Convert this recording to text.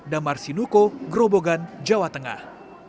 damar sinuko grobogan jawa tengah